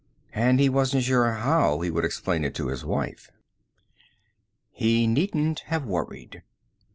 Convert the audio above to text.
And he wasn't sure how he could explain it to his wife. He needn't have worried.